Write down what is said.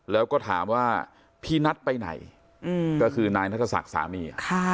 แล้วก็ถามว่าพี่นัทไปไหนก็คือนายนัทศักดิ์สามี